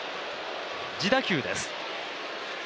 自打球です。